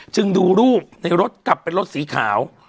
จึงดูรูปในรถกลับเป็นรถสีขาว